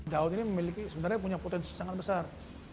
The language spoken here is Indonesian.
daud ini memiliki sebenarnya punya potensi sangat besar